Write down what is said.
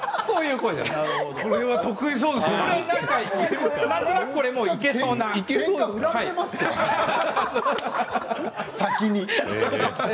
これは得意そうですね。